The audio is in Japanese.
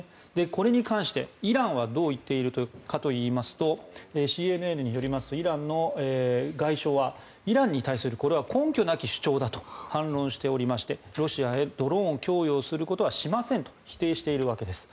これに関してイランはどう言っているかというとＣＮＮによりますとイランの外相はイランに対する根拠なき主張だと反論していましてロシアへドローン供与をすることはしませんと否定しているわけです。